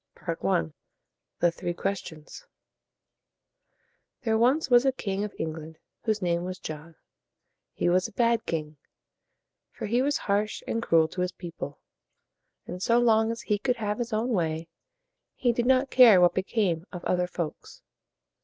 I. THE THREE QUESTIONS. There was once a king of England whose name was John. He was a bad king; for he was harsh and cruel to his people, and so long as he could have his own way, he did not care what became of other folks.